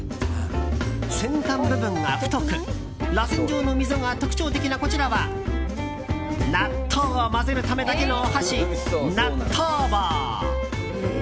先端部分が太く、らせん状の溝が特徴的なこちらは納豆を混ぜるためだけのお箸納豆棒。